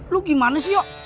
lo gimana sih yok